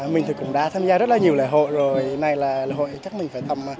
mình thì cũng đã tham gia rất là nhiều lễ hội rồi này là lễ hội chắc mình phải tầm